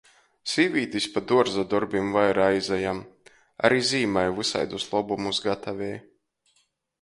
Sīvītis pa duorza dorbim vaira aizajam, ari zīmai vysaidus lobumus gatavej.